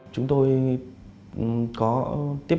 chúng tôi đã trả lời cho bà hiền